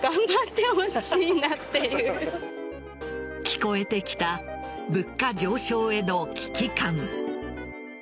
聞こえてきた物価上昇への危機感。